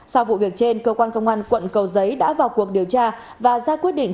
sau vụ việc trên cơ quan công an quận cầu giấy đã vào cuộc điều tra và ra quyết định